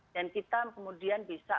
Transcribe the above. dan kita kemudian bisa